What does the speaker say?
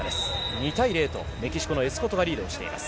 ２対０でメキシコのエスコトがリードしています。